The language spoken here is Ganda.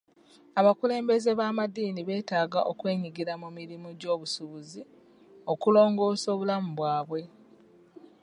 Abakulembeze b'amadiini betaaga okwenyigira mu mirimu gy'obusuubuzi okulongoosa obulamu bwabwe.